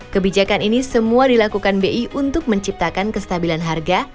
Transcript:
kebijakan ini semua dilakukan bi untuk menciptakan kestabilan harga